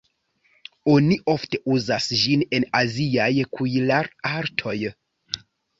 Oni ofte uzas ĝin en aziaj kuir-artoj.